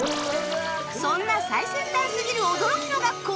そんな最先端すぎる驚きの学校